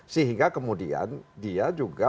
sehingga kemudian dia juga